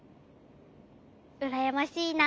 うらやましいな。